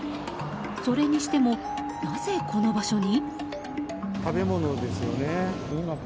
それにしても、なぜこの場所に？